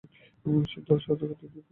সতর্ক দূত অতিগোপনে যায়।